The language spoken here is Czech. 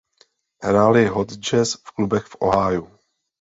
Hráli hot jazz v klubech v Ohiu.